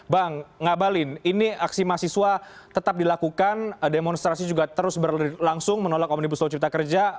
bang ngabalin ini aksi mahasiswa tetap dilakukan demonstrasi juga terus berlangsung menolak omnibus law cipta kerja